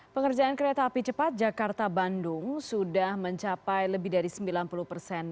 pengerjaan kereta api cepat jakarta bandung sudah mencapai lebih dari sembilan puluh persen